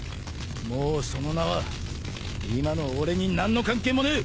もうその名は今の俺に何の関係もねえ！